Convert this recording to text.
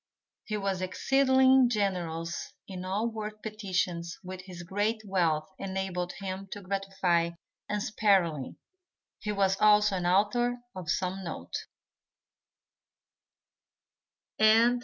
He was exceedingly generous in all worthy petitions which his great wealth enabled him to gratify unsparingly. He was also an author of some note.